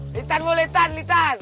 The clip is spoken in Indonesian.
litanmu litan litan